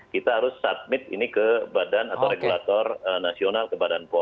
kita harus submit ini ke badan atau regulator nasional ke badan pom